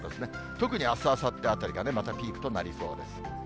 特にあす、あさってあたりがまたピークとなりそうです。